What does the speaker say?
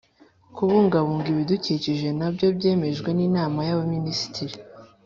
kubungabunga ibidukikije nabyo byemejwe n Inama y Abaminisitiri